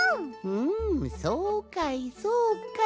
ふんそうかいそうかい。